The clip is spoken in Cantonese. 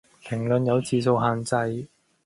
評論有字數限制